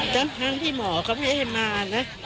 ก็พร้างที่หมอก็ไม่ให้มานะ